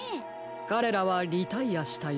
かれらはリタイアしたようです。